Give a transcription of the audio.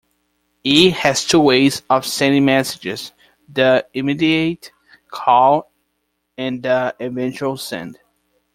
E has two ways of sending messages: the "immediate call" and the "eventual send".